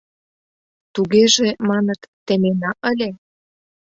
— Тугеже, маныт, темена ыле.